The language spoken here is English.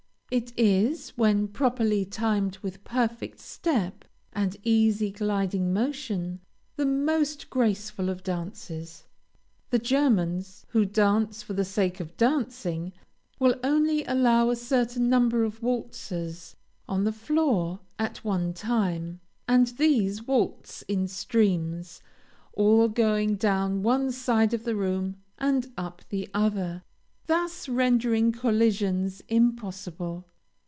It is, when properly timed with perfect step, and easy, gliding motion, the most graceful of dances. The Germans, who dance for the sake of dancing, will only allow a certain number of waltzers on the floor at one time, and these waltz in streams, all going down one side of the room and up the other, thus rendering collisions impossible.